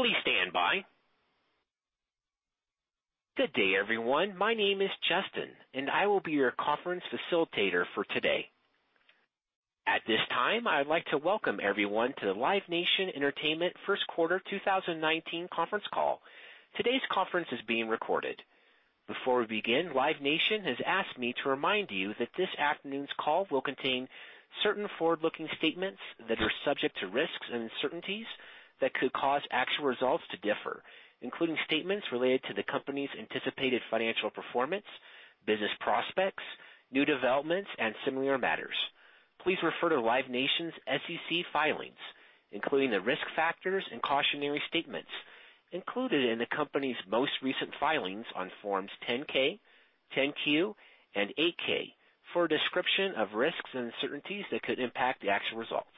Please stand by. Good day, everyone. My name is Justin, and I will be your conference facilitator for today. At this time, I'd like to welcome everyone to the Live Nation Entertainment first quarter 2019 conference call. Today's conference is being recorded. Before we begin, Live Nation has asked me to remind you that this afternoon's call will contain certain forward-looking statements that are subject to risks and uncertainties that could cause actual results to differ, including statements related to the company's anticipated financial performance, business prospects, new developments, and similar matters. Please refer to Live Nation's SEC filings, including the risk factors and cautionary statements included in the company's most recent filings on Forms 10-K, 10-Q, and 8-K for a description of risks and uncertainties that could impact the actual results.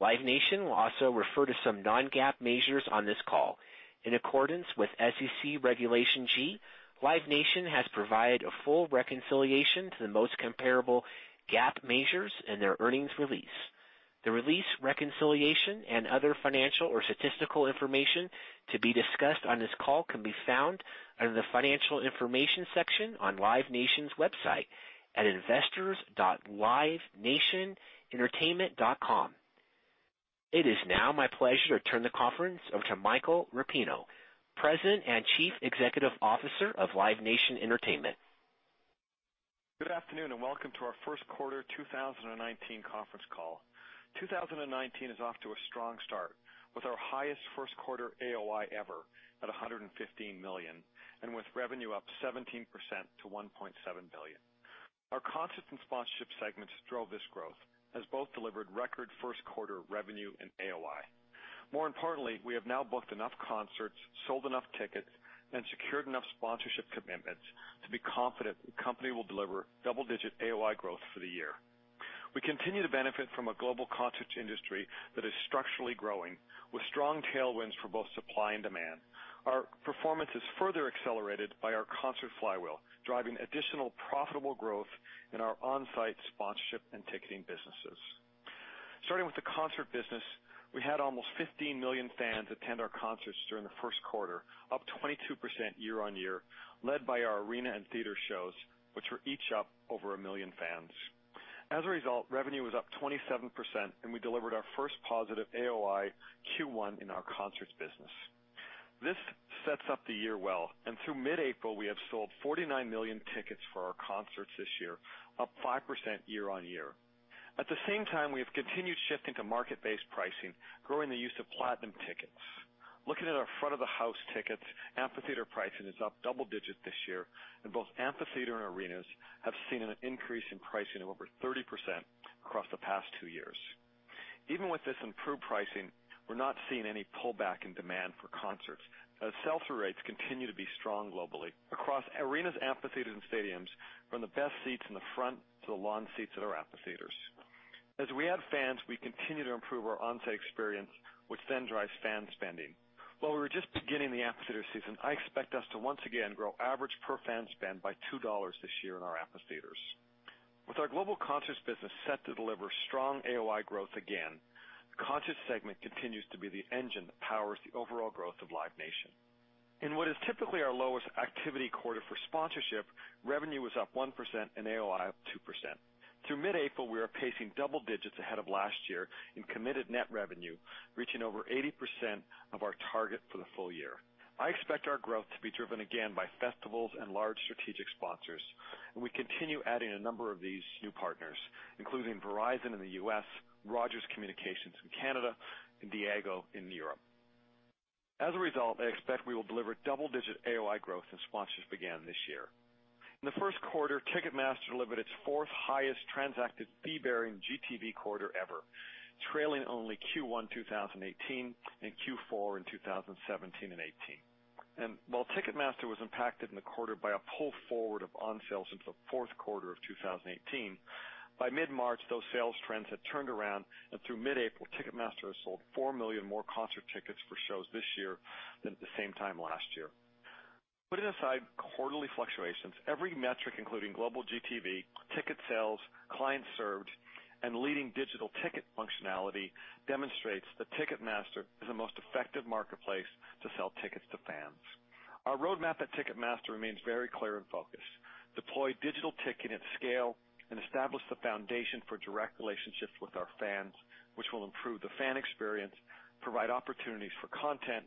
Live Nation will also refer to some non-GAAP measures on this call. In accordance with SEC Regulation G, Live Nation has provided a full reconciliation to the most comparable GAAP measures in their earnings release. The release reconciliation and other financial or statistical information to be discussed on this call can be found under the Financial Information section on Live Nation's website at investors.livenationentertainment.com. It is now my pleasure to turn the conference over to Michael Rapino, President and Chief Executive Officer of Live Nation Entertainment. Good afternoon, welcome to our first quarter 2019 conference call. 2019 is off to a strong start with our highest first quarter AOI ever at $115 million, with revenue up 17% to $1.7 billion. Our concert and sponsorship segments drove this growth, as both delivered record first quarter revenue and AOI. More importantly, we have now booked enough concerts, sold enough tickets, and secured enough sponsorship commitments to be confident the company will deliver double-digit AOI growth for the year. We continue to benefit from a global concert industry that is structurally growing, with strong tailwinds for both supply and demand. Our performance is further accelerated by our concert flywheel, driving additional profitable growth in our onsite sponsorship and ticketing businesses. Starting with the concert business, we had almost 15 million fans attend our concerts during the first quarter, up 22% year-on-year, led by our arena and theater shows, which were each up over 1 million fans. As a result, revenue was up 27%, we delivered our first positive AOI Q1 in our concerts business. This sets up the year well, through mid-April, we have sold 49 million tickets for our concerts this year, up 5% year-on-year. At the same time, we have continued shifting to market-based pricing, growing the use of Platinum Tickets. Looking at our front of the house tickets, amphitheater pricing is up double digits this year, both amphitheater and arenas have seen an increase in pricing of over 30% across the past two years. Even with this improved pricing, we are not seeing any pullback in demand for concerts, as sell-through rates continue to be strong globally across arenas, amphitheaters, and stadiums, from the best seats in the front to the lawn seats at our amphitheaters. As we add fans, we continue to improve our onsite experience, which then drives fan spending. While we are just beginning the amphitheater season, I expect us to once again grow average per fan spend by $2 this year in our amphitheaters. With our global concerts business set to deliver strong AOI growth again, the concert segment continues to be the engine that powers the overall growth of Live Nation. In what is typically our lowest activity quarter for sponsorship, revenue was up 1% and AOI up 2%. Through mid-April, we are pacing double digits ahead of last year in committed net revenue, reaching over 80% of our target for the full year. I expect our growth to be driven again by festivals and large strategic sponsors. We continue adding a number of these new partners, including Verizon in the U.S., Rogers Communications in Canada, and Diageo in Europe. As a result, I expect we will deliver double-digit AOI growth as sponsors begin this year. In the first quarter, Ticketmaster delivered its fourth highest transacted fee-bearing GTV quarter ever, trailing only Q1 2018 and Q4 in 2017 and 2018. While Ticketmaster was impacted in the quarter by a pull forward of on sales into the fourth quarter of 2018, by mid-March, those sales trends had turned around. Through mid-April, Ticketmaster has sold 4 million more concert tickets for shows this year than at the same time last year. Putting aside quarterly fluctuations, every metric, including global GTV, ticket sales, clients served, and leading digital ticket functionality, demonstrates that Ticketmaster is the most effective marketplace to sell tickets to fans. Our roadmap at Ticketmaster remains very clear and focused. Deploy digital ticketing at scale and establish the foundation for direct relationships with our fans, which will improve the fan experience, provide opportunities for content,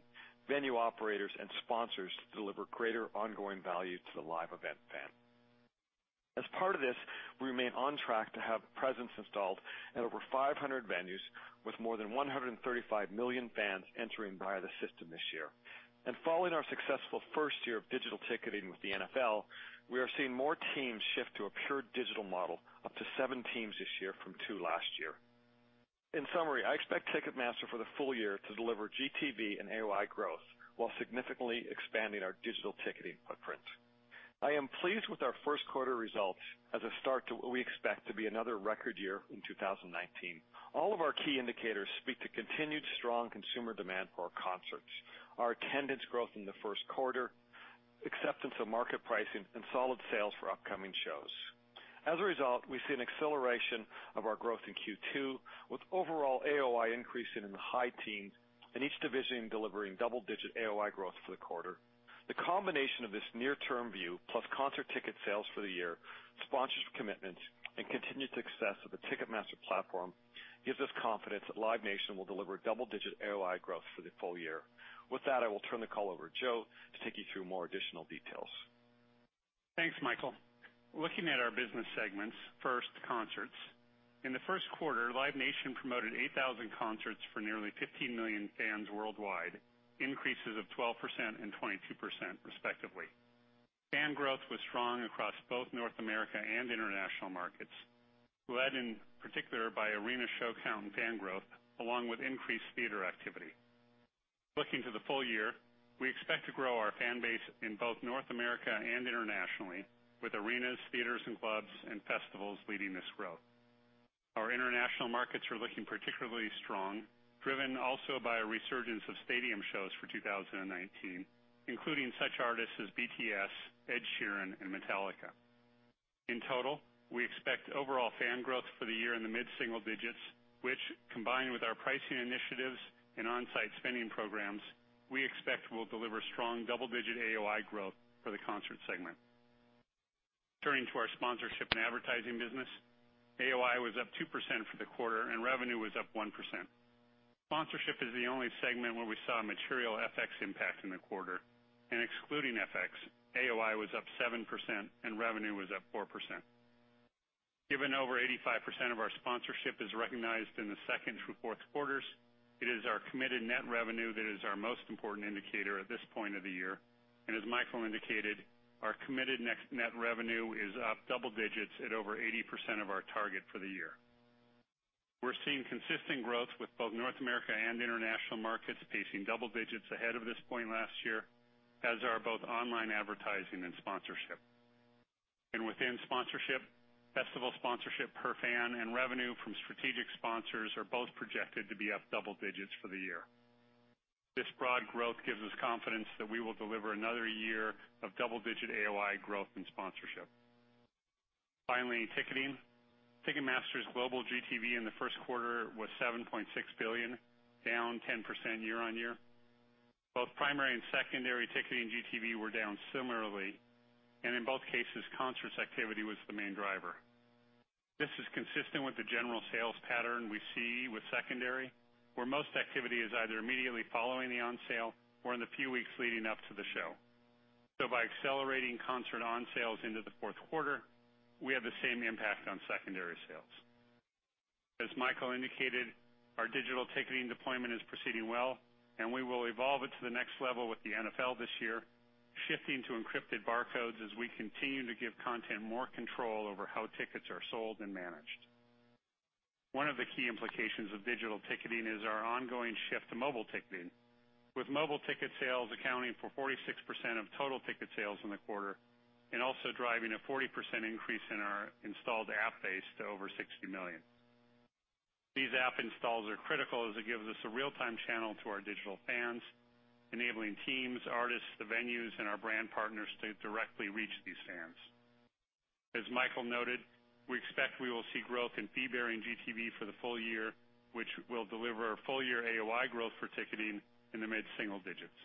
venue operators, and sponsors to deliver greater ongoing value to the live event fan. As part of this, we remain on track to have Presence installed in over 500 venues with more than 135 million fans entering via the system this year. Following our successful first year of digital ticketing with the NFL, we are seeing more teams shift to a pure digital model, up to seven teams this year from two last year. In summary, I expect Ticketmaster for the full year to deliver GTV and AOI growth while significantly expanding our digital ticketing footprint. I am pleased with our first quarter results as a start to what we expect to be another record year in 2019. All of our key indicators speak to continued strong consumer demand for our concerts. Our attendance growth in the first quarterAcceptance of market pricing and solid sales for upcoming shows. As a result, we see an acceleration of our growth in Q2, with overall AOI increasing in the high teens, and each division delivering double-digit AOI growth for the quarter. The combination of this near-term view, plus concert ticket sales for the year, sponsorship commitments, and continued success of the Ticketmaster platform, gives us confidence that Live Nation will deliver double-digit AOI growth for the full year. With that, I will turn the call over to Joe to take you through more additional details. Thanks, Michael. Looking at our business segments. First, concerts. In the first quarter, Live Nation promoted 8,000 concerts for nearly 15 million fans worldwide, increases of 12% and 22% respectively. Fan growth was strong across both North America and international markets, led in particular by arena show count and fan growth along with increased theater activity. Looking to the full year, we expect to grow our fan base in both North America and internationally, with arenas, theaters and clubs, and festivals leading this growth. Our international markets are looking particularly strong, driven also by a resurgence of stadium shows for 2019, including such artists as BTS, Ed Sheeran, and Metallica. In total, we expect overall fan growth for the year in the mid-single digits, which, combined with our pricing initiatives and onsite spending programs, we expect will deliver strong double-digit AOI growth for the concert segment. Turning to our sponsorship and advertising business. AOI was up 2% for the quarter, and revenue was up 1%. Sponsorship is the only segment where we saw a material FX impact in the quarter. Excluding FX, AOI was up 7%, and revenue was up 4%. Given over 85% of our sponsorship is recognized in the second through fourth quarters, it is our committed net revenue that is our most important indicator at this point of the year. As Michael indicated, our committed net revenue is up double digits at over 80% of our target for the year. We're seeing consistent growth with both North America and international markets pacing double digits ahead of this point last year, as are both online advertising and sponsorship. Within sponsorship, festival sponsorship per fan and revenue from strategic sponsors are both projected to be up double digits for the year. This broad growth gives us confidence that we will deliver another year of double-digit AOI growth in sponsorship. Finally, ticketing. Ticketmaster's global GTV in the first quarter was $7.6 billion, down 10% year-on-year. Both primary and secondary ticketing GTV were down similarly, and in both cases, concerts activity was the main driver. This is consistent with the general sales pattern we see with secondary, where most activity is either immediately following the on sale, or in the few weeks leading up to the show. By accelerating concert on sales into the fourth quarter, we have the same impact on secondary sales. As Michael indicated, our digital ticketing deployment is proceeding well, and we will evolve it to the next level with the NFL this year, shifting to encrypted barcodes as we continue to give content more control over how tickets are sold and managed. One of the key implications of digital ticketing is our ongoing shift to mobile ticketing, with mobile ticket sales accounting for 46% of total ticket sales in the quarter, also driving a 40% increase in our installed app base to over 60 million. These app installs are critical, as it gives us a real-time channel to our digital fans, enabling teams, artists, the venues, and our brand partners to directly reach these fans. As Michael noted, we expect we will see growth in fee-bearing GTV for the full year, which will deliver full-year AOI growth for ticketing in the mid-single digits.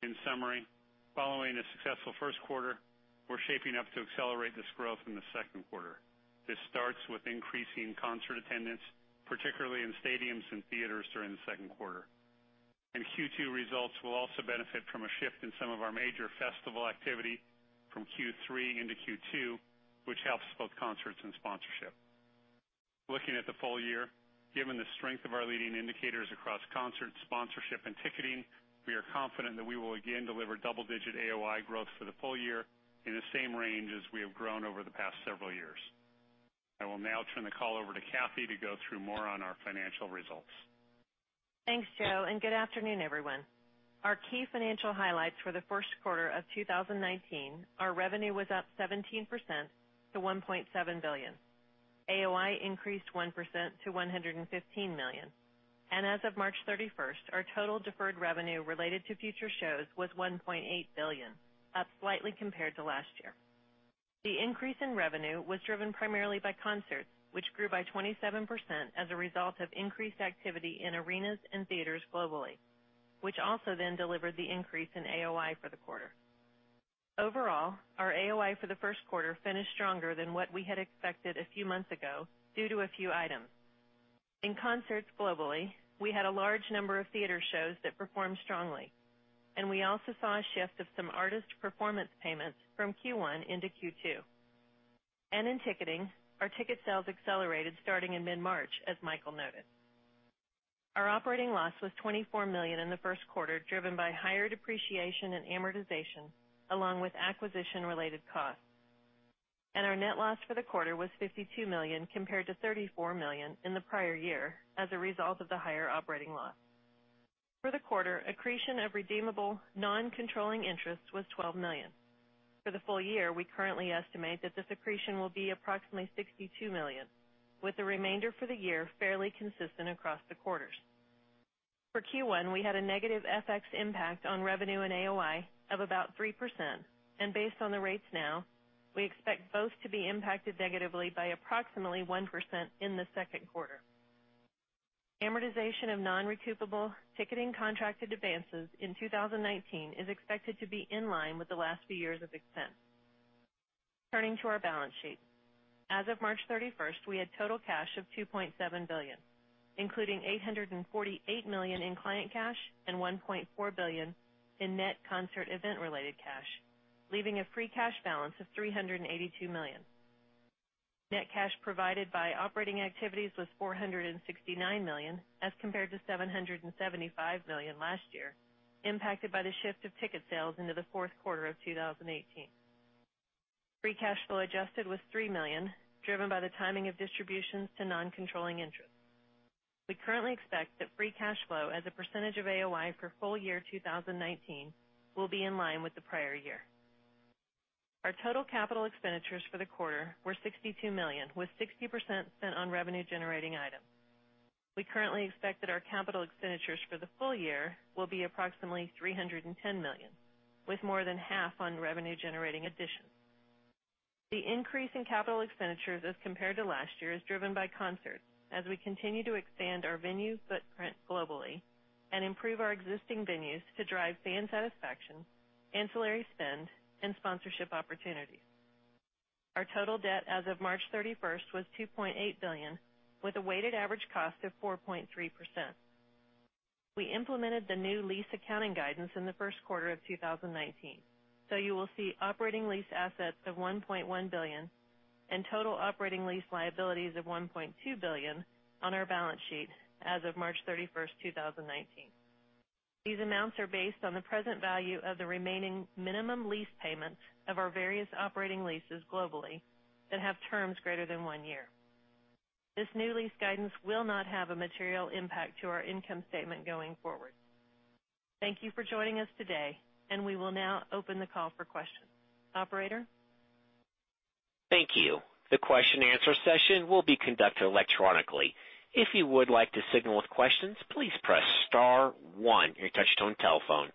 In summary, following a successful first quarter, we're shaping up to accelerate this growth in the second quarter. This starts with increasing concert attendance, particularly in stadiums and theaters during the second quarter. Q2 results will also benefit from a shift in some of our major festival activity from Q3 into Q2, which helps both concerts and sponsorship. Looking at the full year, given the strength of our leading indicators across concerts, sponsorship, and ticketing, we are confident that we will again deliver double-digit AOI growth for the full year in the same range as we have grown over the past several years. I will now turn the call over to Kathy to go through more on our financial results. Thanks, Joe, and good afternoon, everyone. Our key financial highlights for the first quarter of 2019, our revenue was up 17% to $1.7 billion. AOI increased 1% to $115 million. As of March 31st, our total deferred revenue related to future shows was $1.8 billion, up slightly compared to last year. The increase in revenue was driven primarily by concerts, which grew by 27% as a result of increased activity in arenas and theaters globally, which also then delivered the increase in AOI for the quarter. Overall, our AOI for the first quarter finished stronger than what we had expected a few months ago due to a few items. In concerts globally, we had a large number of theater shows that performed strongly, and we also saw a shift of some artist performance payments from Q1 into Q2. In ticketing, our ticket sales accelerated starting in mid-March, as Michael noted. Our operating loss was $24 million in the first quarter, driven by higher depreciation and amortization, along with acquisition-related costs. Our net loss for the quarter was $52 million, compared to $34 million in the prior year as a result of the higher operating loss. For the quarter, accretion of redeemable non-controlling interest was $12 million. For the full year, we currently estimate that this accretion will be approximately $62 million, with the remainder for the year fairly consistent across the quarters. For Q1, we had a negative FX impact on revenue and AOI of about 3%, and based on the rates now, we expect both to be impacted negatively by approximately 1% in the second quarter. Amortization of non-recoupable ticketing contracted advances in 2019 is expected to be in line with the last few years of extent. Turning to our balance sheet. As of March 31st, we had total cash of $2.7 billion, including $848 million in client cash and $1.4 billion in net concert event-related cash, leaving a free cash balance of $382 million. Net cash provided by operating activities was $469 million, as compared to $775 million last year, impacted by the shift of ticket sales into the fourth quarter of 2018. Free cash flow adjusted was $3 million, driven by the timing of distributions to non-controlling interests. We currently expect that free cash flow as a percentage of AOI for full year 2019 will be in line with the prior year. Our total capital expenditures for the quarter were $62 million, with 60% spent on revenue-generating items. We currently expect that our capital expenditures for the full year will be approximately $310 million, with more than half on revenue-generating additions. The increase in capital expenditures as compared to last year is driven by concerts, as we continue to expand our venue footprint globally and improve our existing venues to drive fan satisfaction, ancillary spend, and sponsorship opportunities. Our total debt as of March 31st was $2.8 billion, with a weighted average cost of 4.3%. We implemented the new lease accounting guidance in the first quarter of 2019, so you will see operating lease assets of $1.1 billion and total operating lease liabilities of $1.2 billion on our balance sheet as of March 31st, 2019. These amounts are based on the present value of the remaining minimum lease payments of our various operating leases globally that have terms greater than one year. This new lease guidance will not have a material impact to our income statement going forward. Thank you for joining us today, we will now open the call for questions. Operator? Thank you. The question and answer session will be conducted electronically. If you would like to signal with questions, please press star one on your touch-tone telephone.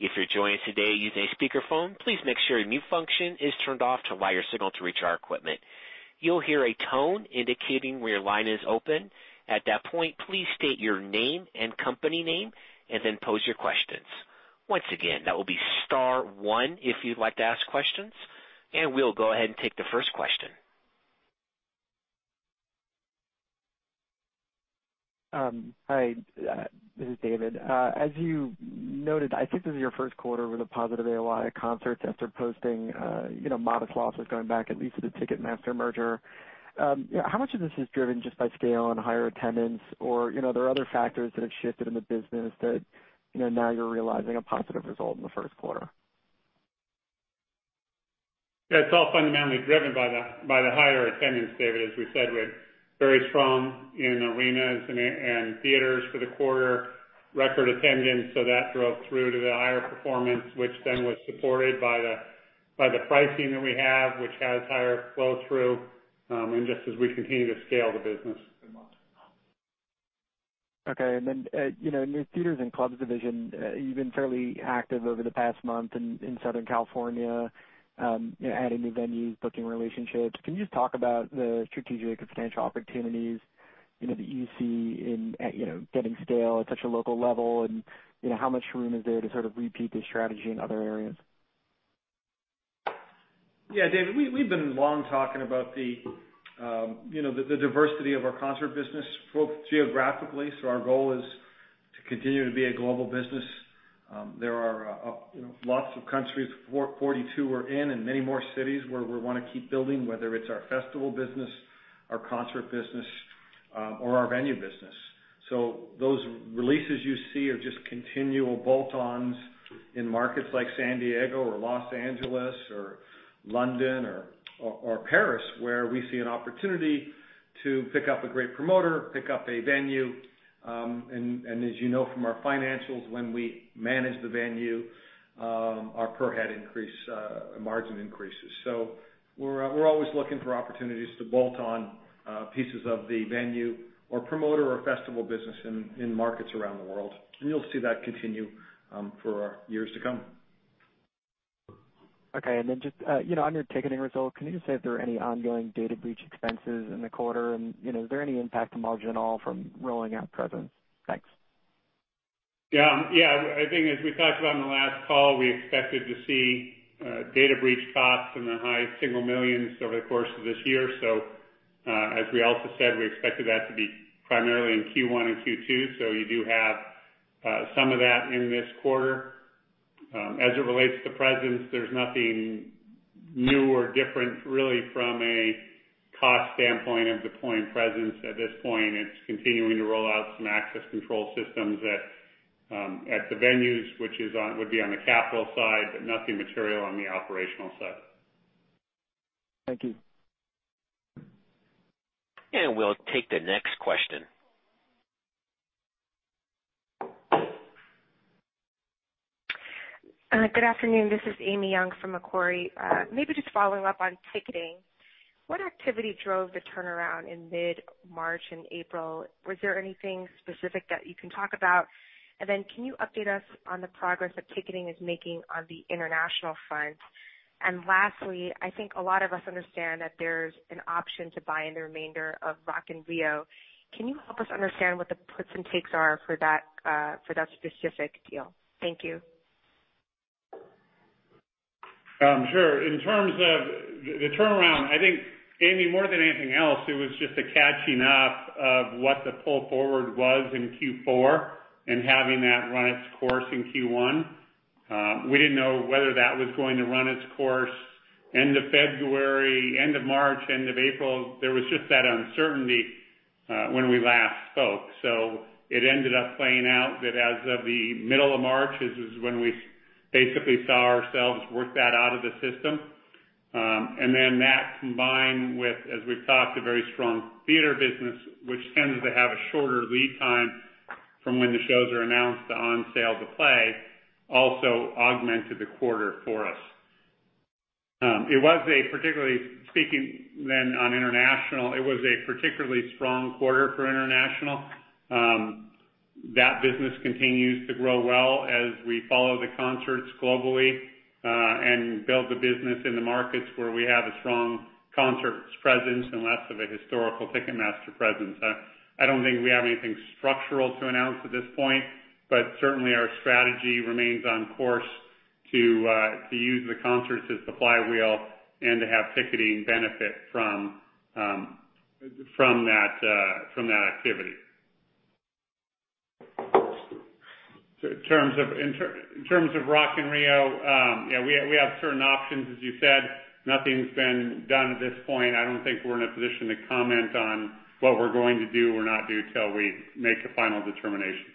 If you're joining us today using a speakerphone, please make sure your mute function is turned off to allow your signal to reach our equipment. You'll hear a tone indicating when your line is open. At that point, please state your name and company name, then pose your questions. Once again, that will be star one if you'd like to ask questions, we'll go ahead and take the first question. Hi, this is David. As you noted, I think this is your first quarter with a positive AOI at concerts after posting modest losses going back at least to the Ticketmaster merger. How much of this is driven just by scale and higher attendance, or are there other factors that have shifted in the business that now you're realizing a positive result in the first quarter? Yeah, it's all fundamentally driven by the higher attendance, David. As we said, we're very strong in arenas and theaters for the quarter, record attendance, so that drove through to the higher performance, which then was supported by the pricing that we have, which has higher flow-through, and just as we continue to scale the business. Okay. In your theaters and clubs division, you've been fairly active over the past month in Southern California, adding new venues, booking relationships. Can you just talk about the strategic or potential opportunities that you see in getting scale at such a local level, and how much room is there to sort of repeat this strategy in other areas? Yeah, David, we've been long talking about the diversity of our concert business, both geographically, so our goal is to continue to be a global business. There are lots of countries, 42 we're in, and many more cities where we want to keep building, whether it's our festival business, our concert business, or our venue business. Those releases you see are just continual bolt-ons in markets like San Diego or Los Angeles or London or Paris, where we see an opportunity to pick up a great promoter, pick up a venue, and as you know from our financials, when we manage the venue, our per head margin increases. We're always looking for opportunities to bolt on pieces of the venue or promoter or festival business in markets around the world, and you'll see that continue for years to come. Okay, just on your ticketing results, can you just say if there are any ongoing data breach expenses in the quarter, and is there any impact to margin at all from rolling out Presence? Thanks. Yeah. I think as we talked about on the last call, we expected to see data breach costs in the high single millions over the course of this year. As we also said, we expected that to be primarily in Q1 and Q2, so you do have some of that in this quarter. As it relates to Presence, there's nothing new or different, really, from a cost standpoint of deploying Presence. At this point, it's continuing to roll out some access control systems at the venues, which would be on the capital side, but nothing material on the operational side. Thank you. We'll take the next question. Good afternoon. This is Amy Yong from Macquarie. Maybe just following up on ticketing. What activity drove the turnaround in mid-March and April? Was there anything specific that you can talk about? Can you update us on the progress that ticketing is making on the international front? Lastly, I think a lot of us understand that there's an option to buy in the remainder of Rock in Rio. Can you help us understand what the puts and takes are for that specific deal? Thank you. Sure. In terms of the turnaround, I think, Amy, more than anything else, it was just a catching up of what the pull forward was in Q4 and having that run its course in Q1. We didn't know whether that was going to run its course end of February, end of March, end of April. There was just that uncertainty when we last spoke. It ended up playing out that as of the middle of March, this is when we basically saw ourselves work that out of the system. That combined with, as we've talked, a very strong theater business, which tends to have a shorter lead time from when the shows are announced to on sale to play, also augmented the quarter for us. On international, it was a particularly strong quarter for international. That business continues to grow well as we follow the concerts globally, and build the business in the markets where we have a strong concerts presence and less of a historical Ticketmaster presence. I don't think we have anything structural to announce at this point, but certainly our strategy remains on course to use the concerts as the flywheel and to have ticketing benefit from that activity. In terms of Rock in Rio, we have certain options, as you said. Nothing's been done at this point. I don't think we're in a position to comment on what we're going to do or not do till we make a final determination.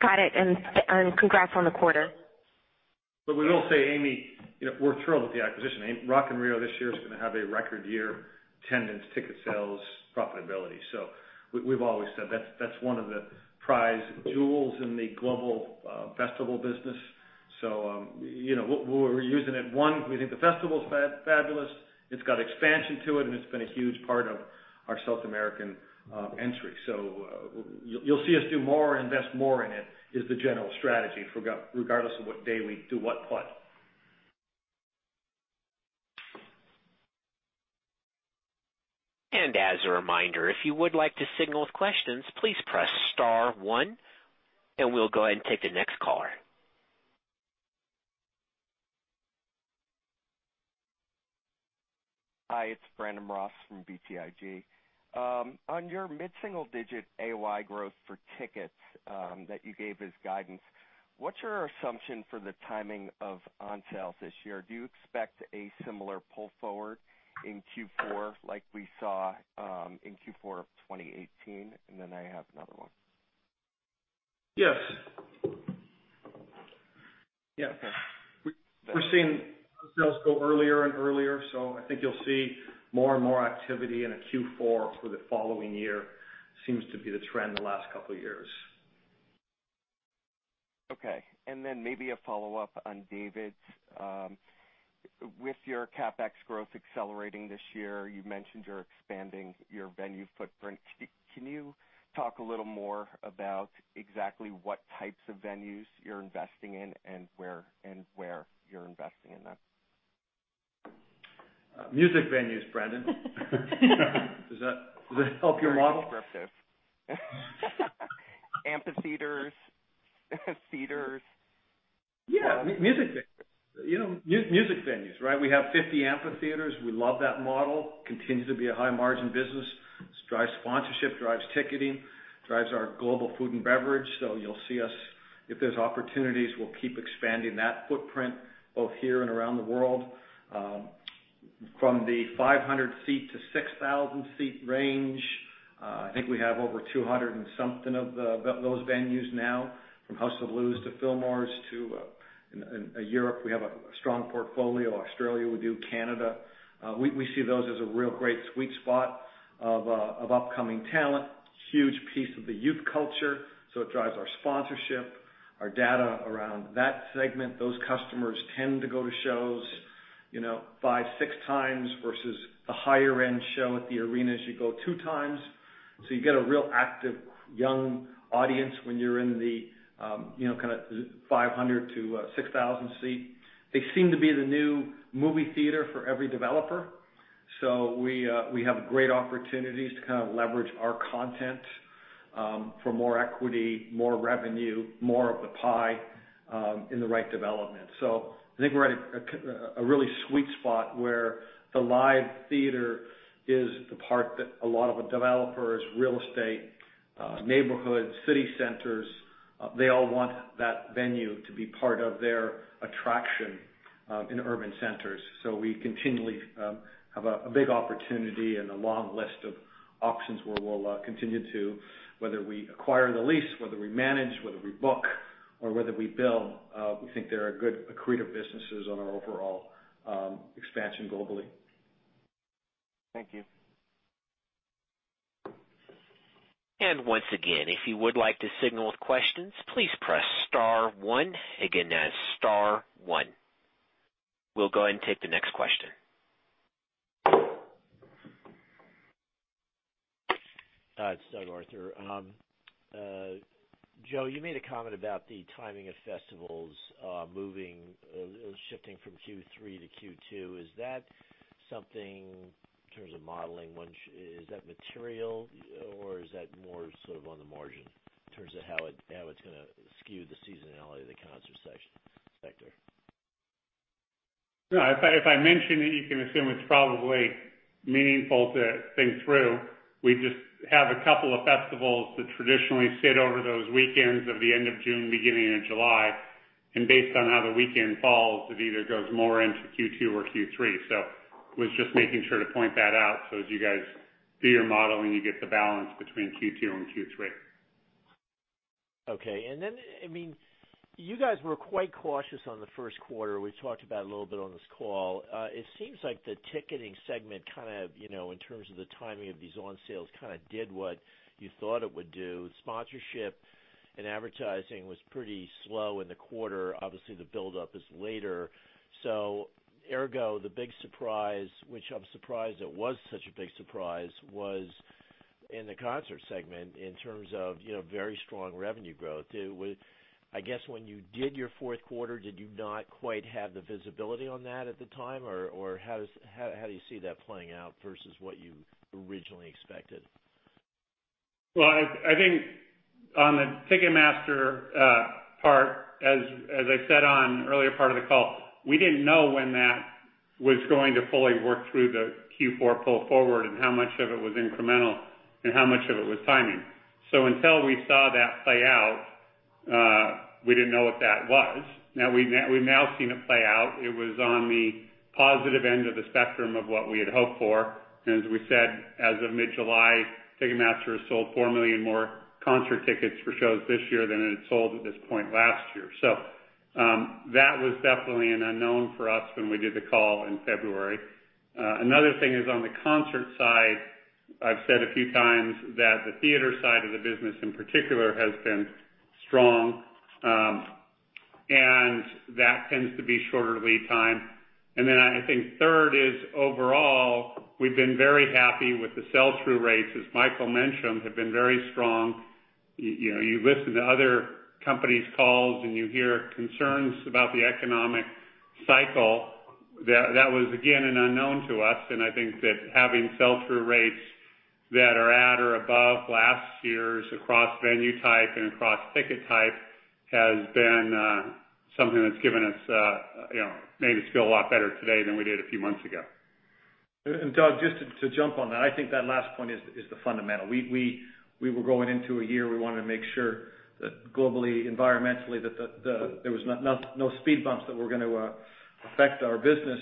Got it. Congrats on the quarter. We will say, Amy, we're thrilled with the acquisition. Rock in Rio this year is going to have a record year attendance, ticket sales, profitability. We're using it. One, we think the festival's fabulous. It's got expansion to it, and it's been a huge part of our South American entry. You'll see us do more, invest more in it, is the general strategy, regardless of what day we do what play. As a reminder, if you would like to signal with questions, please press star one, and we'll go ahead and take the next caller. Hi, it's Brandon Ross from BTIG. On your mid-single-digit AOI growth for tickets that you gave as guidance, what's your assumption for the timing of on sales this year? Do you expect a similar pull forward in Q4 like we saw in Q4 of 2018? Then I have another one. Yes. Okay. We're seeing sales go earlier and earlier, I think you'll see more and more activity in a Q4 for the following year. Seems to be the trend the last couple of years. Okay. Maybe a follow-up on David's. With your CapEx growth accelerating this year, you mentioned you're expanding your venue footprint. Can you talk a little more about exactly what types of venues you're investing in and where you're investing in them? Music venues, Brandon. Does that help your model? Very descriptive. Amphitheaters, theaters. Yeah. Music venues. Music venues, right? We have 50 amphitheaters. We love that model. Continues to be a high margin business. Drives sponsorship, drives ticketing, drives our global food and beverage. You'll see us, if there's opportunities, we'll keep expanding that footprint both here and around the world. From the 500 seat to 6,000 seat range, I think we have over 200 and something of those venues now, from House of Blues to Fillmore's. In Europe, we have a strong portfolio. Australia, we do. Canada. We see those as a real great sweet spot of upcoming talent. Huge piece of the youth culture, it drives our sponsorship, our data around that segment. Those customers tend to go to shows five, six times versus the higher-end show at the arenas, you go two times. You get a real active young audience when you're in the kind of 500 to 6,000 seat. They seem to be the new movie theater for every developer. We have great opportunities to kind of leverage our content for more equity, more revenue, more of the pie in the right development. I think we're at a really sweet spot where the live theater is the part that a lot of the developers, real estate, neighborhoods, city centers, they all want that venue to be part of their attraction in urban centers. We continually have a big opportunity and a long list of options where we'll continue to, whether we acquire the lease, whether we manage, whether we book, or whether we build, we think there are good accretive businesses on our overall expansion globally. Thank you. Once again, if you would like to signal with questions, please press star one. Again, that's star one. We'll go ahead and take the next question. It's Doug Arthur. Joe, you made a comment about the timing of festivals shifting from Q3 to Q2. Is that something, in terms of modeling, is that material or is that more on the margin in terms of how it's going to skew the seasonality of the concert sector? No, if I mention it, you can assume it's probably meaningful to think through. We just have a couple of festivals that traditionally sit over those weekends of the end of June, beginning of July, and based on how the weekend falls, it either goes more into Q2 or Q3. I was just making sure to point that out so as you guys do your modeling, you get the balance between Q2 and Q3. Okay. You guys were quite cautious on the first quarter. We talked about it a little bit on this call. It seems like the ticketing segment, in terms of the timing of these on sales, did what you thought it would do. Sponsorship and Advertising was pretty slow in the quarter. Obviously, the buildup is later. Ergo, the big surprise, which I'm surprised it was such a big surprise, was in the concert segment in terms of very strong revenue growth. I guess when you did your fourth quarter, did you not quite have the visibility on that at the time? Or how do you see that playing out versus what you originally expected? Well, I think on the Ticketmaster part, as I said on the earlier part of the call, we didn't know when that was going to fully work through the Q4 pull forward and how much of it was incremental and how much of it was timing. Until we saw that play out, we didn't know what that was. Now we've now seen it play out. It was on the positive end of the spectrum of what we had hoped for. As we said, as of mid-April, Ticketmaster has sold 4 million more concert tickets for shows this year than it had sold at this point last year. That was definitely an unknown for us when we did the call in February. Another thing is on the concert side, I've said a few times that the theater side of the business in particular has been strong. That tends to be shorter lead time. I think third is overall, we've been very happy with the sell-through rates, as Michael mentioned, have been very strong. You listen to other companies' calls and you hear concerns about the economic cycle. That was again an unknown to us and I think that having sell-through rates that are at or above last year's across venue type and across ticket type has been something that's made us feel a lot better today than we did a few months ago. Doug, just to jump on that, I think that last point is the fundamental. We were going into a year, we wanted to make sure that globally, environmentally, that there was no speed bumps that were going to affect our business.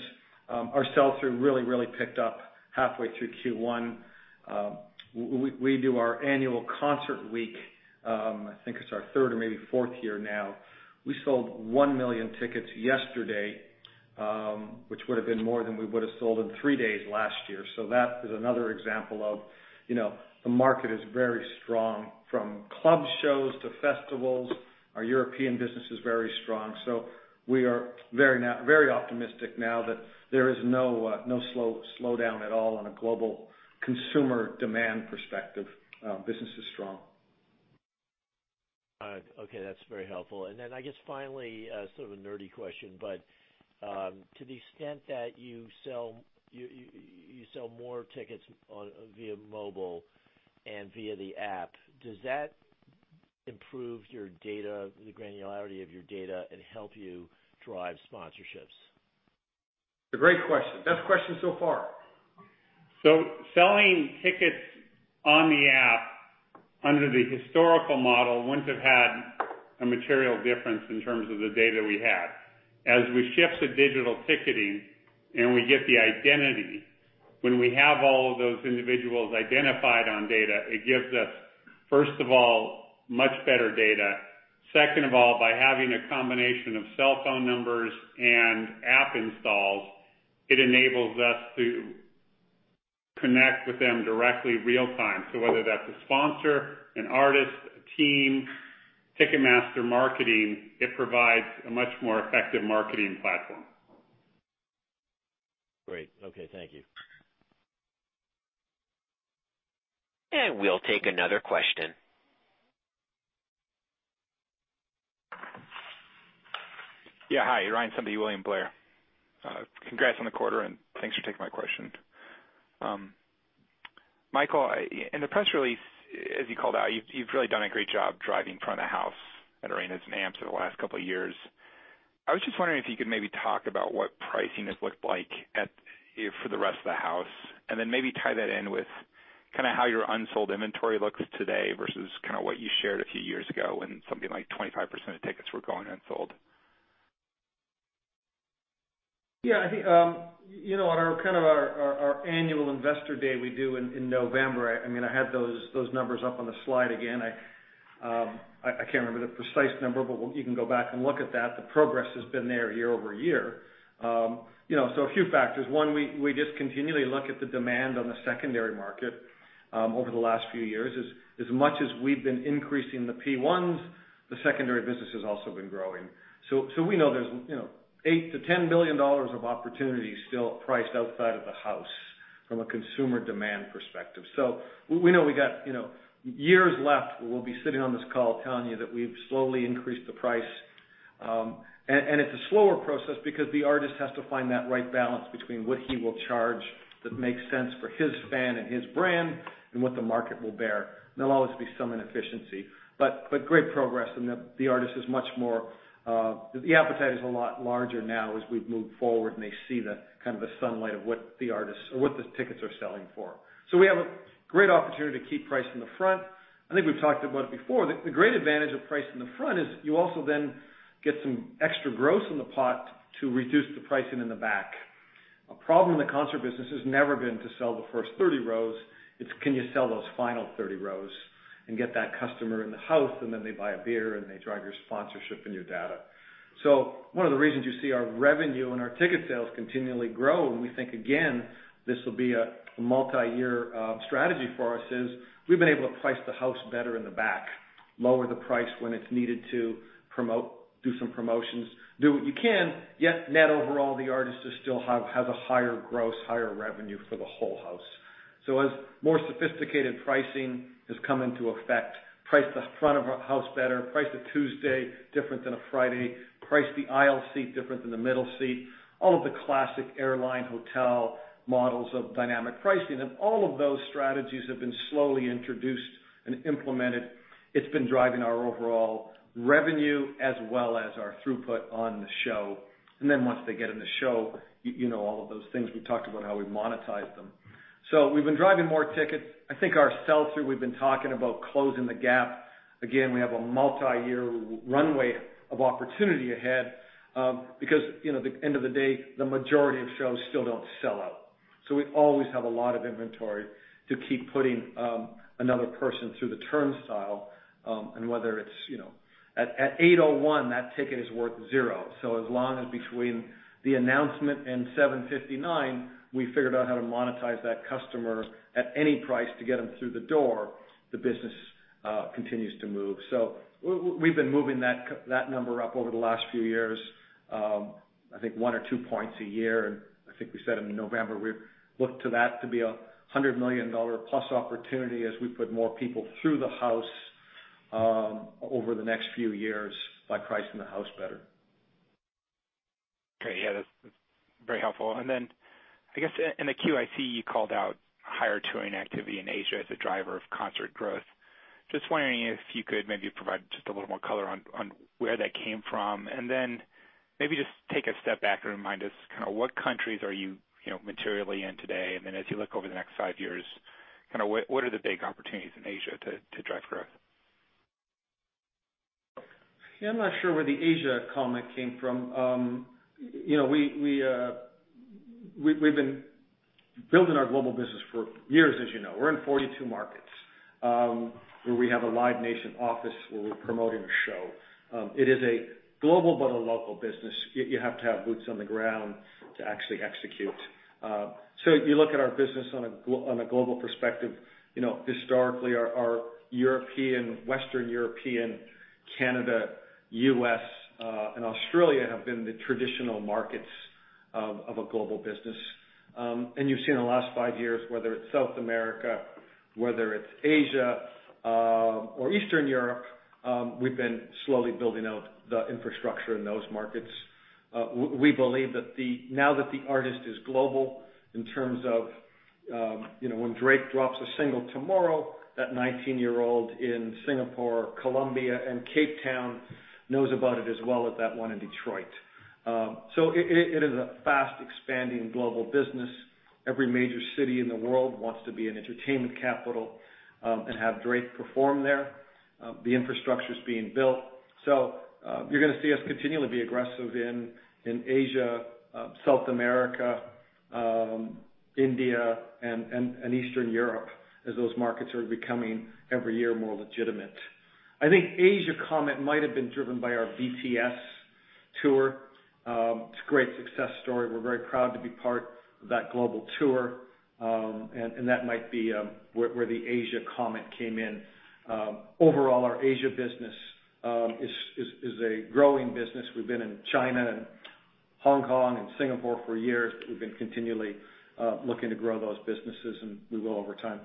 Our sell-through really picked up halfway through Q1. We do our annual Concert Week, I think it's our third or maybe fourth year now. We sold 1 million tickets yesterday, which would've been more than we would've sold in three days last year. That is another example of the market is very strong from club shows to festivals. Our European business is very strong, we are very optimistic now that there is no slowdown at all on a global consumer demand perspective. Business is strong. Okay. That's very helpful. I guess finally, sort of a nerdy question, but to the extent that you sell more tickets via mobile and via the app, does that improve the granularity of your data and help you drive sponsorships? It's a great question. Best question so far. Selling tickets on the app under the historical model wouldn't have had a material difference in terms of the data we had. As we shift to digital ticketing and we get the identity, when we have all of those individuals identified on data, it gives us, first of all, much better data. Second of all, by having a combination of cell phone numbers and app installs, it enables us to connect with them directly real time. Whether that's a sponsor, an artist, a team, Ticketmaster marketing, it provides a much more effective marketing platform. Great. Okay. Thank you. We'll take another question. Yeah. Hi, Ryan Sundby, William Blair. Congrats on the quarter, and thanks for taking my question. Michael, in the press release, as you called out, you've really done a great job driving front of house at arenas and amps over the last couple of years. I was just wondering if you could maybe talk about what pricing has looked like for the rest of the house, and then maybe tie that in with how your unsold inventory looks today versus what you shared a few years ago when something like 25% of tickets were going unsold. Yeah. I think, on our annual investor day we do in November, I had those numbers up on the slide again. I can't remember the precise number, but you can go back and look at that. The progress has been there year-over-year. A few factors. One, we just continually look at the demand on the secondary market over the last few years. As much as we've been increasing the P1s, the secondary business has also been growing. We know there's $8 billion-$10 billion of opportunity still priced outside of the house from a consumer demand perspective. We know we got years left where we'll be sitting on this call telling you that we've slowly increased the price. It's a slower process because the artist has to find that right balance between what he will charge that makes sense for his fan and his brand, and what the market will bear. There will always be some inefficiency. Great progress in the artist, the appetite is a lot larger now as we've moved forward, and they see the kind of the sunlight of what the artists or what the tickets are selling for. We have a great opportunity to keep pricing the front. I think we've talked about it before. The great advantage of pricing the front is you also then get some extra gross in the pot to reduce the pricing in the back. A problem in the concert business has never been to sell the first 30 rows. It's can you sell those final 30 rows and get that customer in the house, and then they buy a beer and they drive your sponsorship and your data. One of the reasons you see our revenue and our ticket sales continually grow, and we think again, this will be a multi-year strategy for us, is we've been able to price the house better in the back, lower the price when it's needed to promote, do some promotions, do what you can, yet net overall, the artist still has a higher gross, higher revenue for the whole house. As more sophisticated pricing has come into effect, price the front of a house better, price a Tuesday different than a Friday, price the aisle seat different than the middle seat. All of the classic airline hotel models of dynamic pricing, and all of those strategies have been slowly introduced and implemented. It's been driving our overall revenue as well as our throughput on the show. Once they get in the show, you know all of those things. We talked about how we monetize them. We've been driving more tickets. I think our sell-through, we've been talking about closing the gap. Again, we have a multi-year runway of opportunity ahead, because at the end of the day, the majority of shows still don't sell out. We always have a lot of inventory to keep putting another person through the turnstile. At 8:01 P.M., that ticket is worth zero. As long as between the announcement and 7:59 P.M., we figured out how to monetize that customer at any price to get them through the door, the business continues to move. We've been moving that number up over the last few years. I think one or two points a year, and I think we said in November, we look to that to be a $100 million-plus opportunity as we put more people through the house over the next few years by pricing the house better. Great. Yeah, that's very helpful. I guess in the 10-Q, I see you called out higher touring activity in Asia as a driver of concert growth. Just wondering if you could maybe provide just a little more color on where that came from, maybe just take a step back and remind us kind of what countries are you materially in today, then as you look over the next five years, kind of what are the big opportunities in Asia to drive growth? Yeah. I'm not sure where the Asia comment came from. We've been building our global business for years, as you know. We're in 42 markets, where we have a Live Nation office where we're promoting a show. It is a global but a local business. You have to have boots on the ground to actually execute. If you look at our business on a global perspective, historically, our European, Western European, Canada, U.S., and Australia have been the traditional markets of a global business. You've seen in the last five years, whether it's South America, whether it's Asia, or Eastern Europe, we've been slowly building out the infrastructure in those markets. We believe that now that the artist is global in terms of when Drake drops a single tomorrow, that 19-year-old in Singapore, Colombia, and Cape Town knows about it as well as that one in Detroit. It is a fast expanding global business. Every major city in the world wants to be an entertainment capital, and have Drake perform there. The infrastructure's being built. You're going to see us continually be aggressive in Asia, South America, India, and Eastern Europe as those markets are becoming every year more legitimate. I think Asia comment might have been driven by our BTS tour. It's a great success story. We're very proud to be part of that global tour. That might be where the Asia comment came in. Overall, our Asia business is a growing business. We've been in China and Hong Kong and Singapore for years. We've been continually looking to grow those businesses, and we will over time.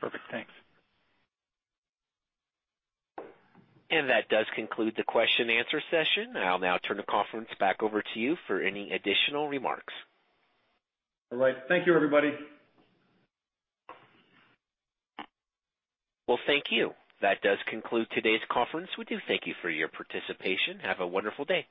Perfect. Thanks. That does conclude the question and answer session. I'll now turn the conference back over to you for any additional remarks. All right. Thank you everybody. Well, thank you. That does conclude today's conference. We do thank you for your participation. Have a wonderful day.